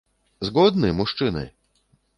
Згодны, мужчыны?..